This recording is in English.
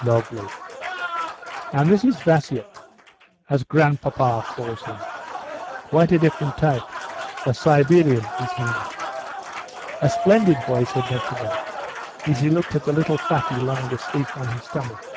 "Lovely." "And this is Vasiuk, as 'grandpapa' calls him. Quite a different type. A Siberian, is he not?" "A splendid boy," said Nekhludoff, as he looked at the little fatty lying asleep on his stomach.